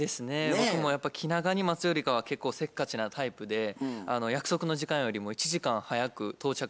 僕もやっぱ気長に待つよりかは結構せっかちなタイプで約束の時間よりも１時間早く到着したこともあります。